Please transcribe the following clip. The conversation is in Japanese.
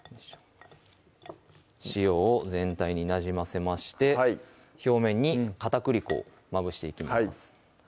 塩を全体になじませまして表面に片栗粉をまぶしていきます